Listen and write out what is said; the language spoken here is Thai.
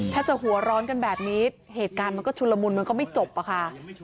ถ้าจะหัวร้อนกันแบบนี้เหตุการณ์มันก็ชุนละมุนมันก็ไม่จบอะค่ะ